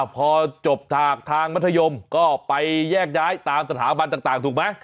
พอจบถากทางมัธยมก็ไปแยกย้ายตามสถาบันต่างถูกไหม